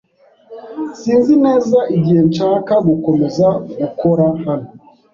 sinzi neza igihe nshaka gukomeza gukora hano.